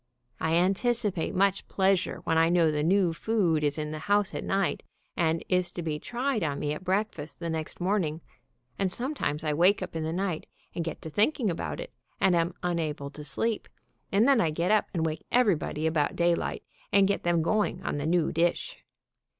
I anticipate much pleasure when I know the new food is in the house at night, and is to be tried on me at breakfast the next morning, and sometimes I wake up in the night and get to thinking about it, and am unable to sleep, and then I get up and wake everybody about day light, and get them going on the new dish.